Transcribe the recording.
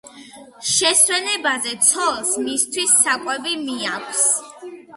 შესვენებაზე ცოლს მისთვის საკვები მიაქვს.